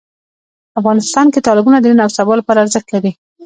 افغانستان کې تالابونه د نن او سبا لپاره ارزښت لري.